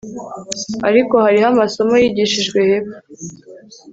Ariko hariho amasomo yigishijwe hepfo